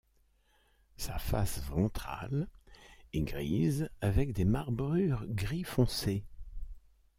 Sa face ventrale est grise avec des marbrures gris foncé.